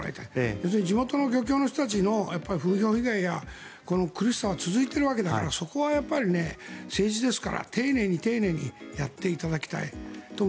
要するに地元の漁協の人たちの風評被害や苦しさは続いているわけだからそこは政治ですから丁寧に丁寧にやっていただきたいと。